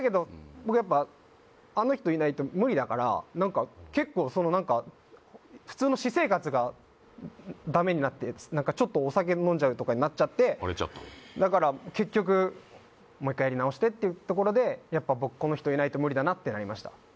僕やっぱあの人いないと無理だから何か結構その何か普通のちょっとお酒飲んじゃうとかになっちゃって荒れちゃっただから結局もう一回やり直してっていうところでやっぱ僕この人いないと無理だなってなりました